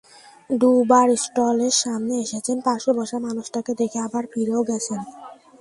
দুবার স্টলের সামনে এসেছেন, পাশে বসা মানুষটাকে দেখে আবার ফিরেও গেছেন।